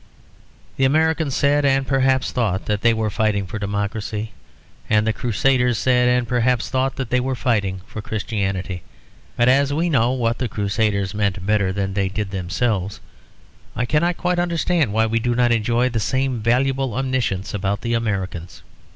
The Americans said, and perhaps thought, that they were fighting for democracy; and the Crusaders said, and perhaps thought, that they were fighting for Christianity. But as we know what the Crusaders meant better than they did themselves, I cannot quite understand why we do not enjoy the same valuable omniscience about the Americans.